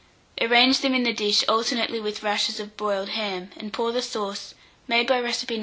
Arrange them in the dish alternately with rashers of broiled ham, and pour the sauce, made by recipe No.